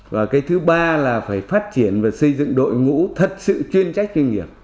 và cái thứ ba là phải phát triển và xây dựng đội ngũ thật sự chuyên trách chuyên nghiệp